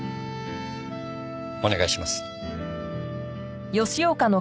お願いします。